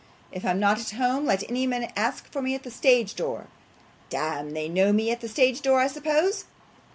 If I'm not at home, let any man ask for me at the stage door. Damme, they know me at the stage door I suppose.